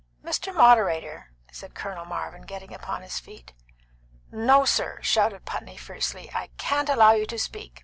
"Mr. Moderator," said Colonel Marvin, getting upon his feet. "No, sir!" shouted Putney fiercely; "I can't allow you to speak.